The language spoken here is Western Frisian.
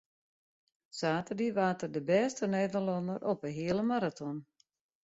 Saterdei waard er de bêste Nederlanner op de heale maraton.